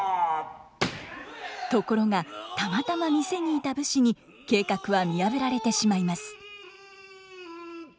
ところがたまたま店にいた武士に計画は見破られてしまいます。